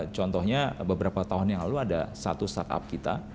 contohnya beberapa tahun yang lalu ada satu startup kita